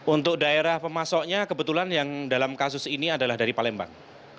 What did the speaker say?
untuk daerah pemasoknya kebetulan yang dalam kasus ini adalah dari palembang